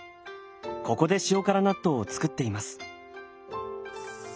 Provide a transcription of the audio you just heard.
ここで塩辛納豆を造っています。